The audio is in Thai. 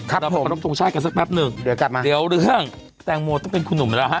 เราขอรบทรงชาติกันสักแป๊บหนึ่งเดี๋ยวกลับมาเดี๋ยวเรื่องแตงโมต้องเป็นคุณหนุ่มแล้วฮะ